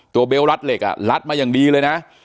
เบลรัดเหล็กรัดมาอย่างดีเลยนะ